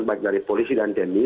baik dari polisi dan tni